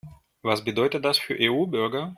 Was bedeutet das für EU-Bürger?